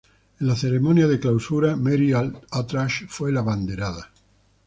En la ceremonia de clausura, Mary Al-Atrash fue la abanderada.